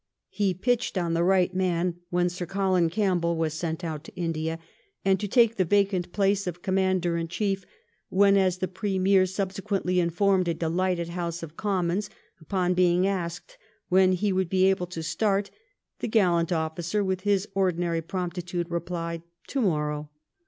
He pitched on the right man, when Sir Colin Campbell was sent out to India and to take the vacant place of Commander in Chief; when, as the Premier subsequently informed a delighted House of Commons, upon being asked when he would be able to start, the gallant officer, with his ordinary prompti tude, replied '' To morrow."